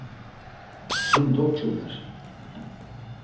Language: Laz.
Sin dokçumer.